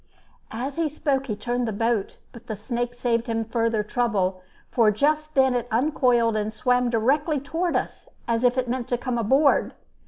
As he spoke he turned the boat: but the snake saved him further trouble, for just then it uncoiled and swam directly toward us, as if it meant to come aboard.